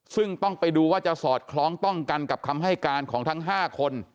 ซึ่งต้องไปดูว่าจะสอดคล้องต้องกันกับคำให้การของทั้ง๕คน